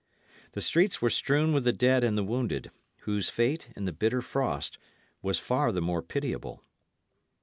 The streets were strewn with the dead and the wounded, whose fate, in the bitter frost, was far the more pitiable.